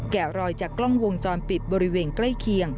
รอยจากกล้องวงจรปิดบริเวณใกล้เคียง